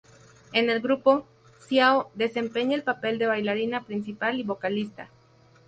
En el grupo, Xiao desempeña el papel de bailarina principal y vocalista.